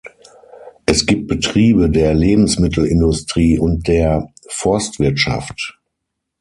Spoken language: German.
Es gibt Betriebe der Lebensmittelindustrie und der Forstwirtschaft.